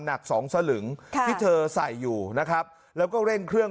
หนักสองสลึงที่เธอใส่อยู่นะครับแล้วก็เร่งเครื่อง